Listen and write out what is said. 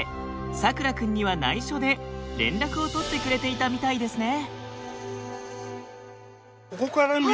さくら君にはないしょで連絡を取ってくれていたみたいですね。